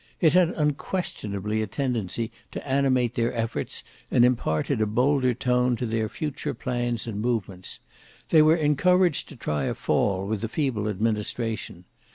It had unquestionably a tendency to animate their efforts, and imparted a bolder tone to their future plans and movements. They were encouraged to try a fall with a feeble administration.